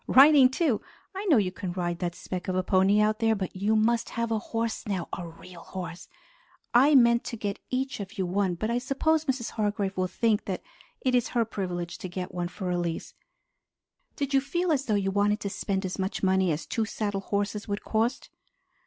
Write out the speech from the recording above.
Riding, too. I know you can ride that speck of a pony out there, but you must have a horse now, a real horse. I meant to get each of you one but I suppose Mrs. Hargrave will think that it is her privilege to get one for Elise." "Did you feel as though you wanted to spend as much money as two saddle horses would cost?"